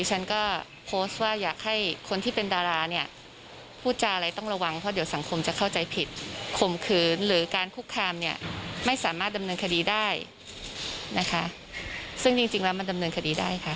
พดข้อความถึงการพูดถึงคุณบุ๋มปรณดาหรือฉันก็